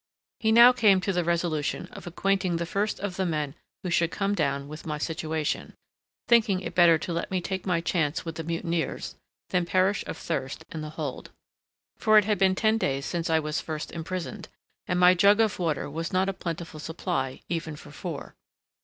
He now came to the resolution of acquainting the first of the men who should come down with my situation, thinking it better to let me take my chance with the mutineers than perish of thirst in the hold,—for it had been ten days since I was first imprisoned, and my jug of water was not a plentiful supply even for four.